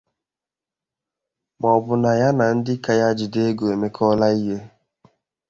ma ọ bụ na ya na ndị ka ya jide ego emekọọla ihe.